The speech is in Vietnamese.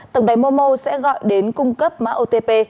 tầng đáy momo sẽ gọi đến cung cấp mã otp